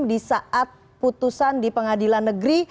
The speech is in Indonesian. di saat putusan di pengadilan negeri